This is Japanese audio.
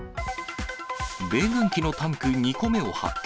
米軍機のタンク２個目を発見。